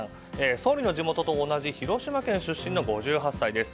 総理の地元と同じ広島県出身の５８歳です。